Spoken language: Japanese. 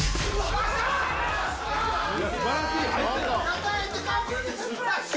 たたいて、かぶって、スプラッシュ。